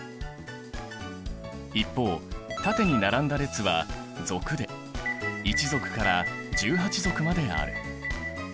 一方縦に並んだ列は族で１族から１８族まである。